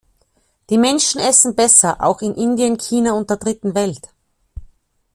Die Menschen essen besser, auch in Indien, China und der Dritten Welt.